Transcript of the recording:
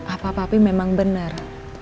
apa papi memang benar